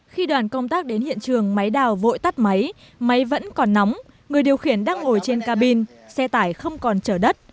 khi đoàn công tác đến hiện trường máy đào vội tắt máy máy vẫn còn nóng người điều khiển đang ngồi trên cabin xe tải không còn chở đất